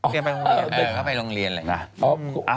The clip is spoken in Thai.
อ๋อเขาไปโรงเรียนแหละ